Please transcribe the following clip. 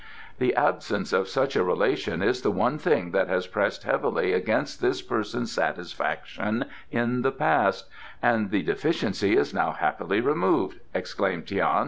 "The absence of such a relation is the one thing that has pressed heavily against this person's satisfaction in the past, and the deficiency is now happily removed," exclaimed Tian.